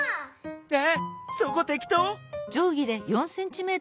えっそこてきとう？